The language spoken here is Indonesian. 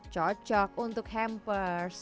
cocok untuk hampers